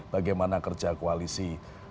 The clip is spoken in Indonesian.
bagaimana kerja koalisi